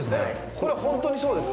これ本当にそうですか。